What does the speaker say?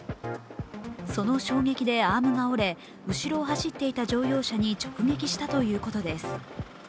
その衝撃でアームが折れ、後ろを走っていた乗用車に直撃したということです。